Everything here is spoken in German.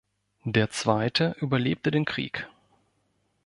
Der zweite überlebte den Krieg.